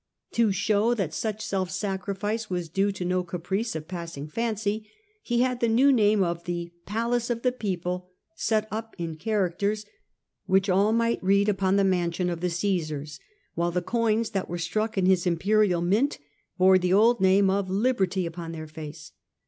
To show that such self sacrifice was due to no caprice of passing fancy, he had the new name of ^ The Palace of the People * set up in cliaracters which all might read upon the mansion of the Caesars, while the coins that were struck in his imperial mint bore the old name of Liberty upon their face.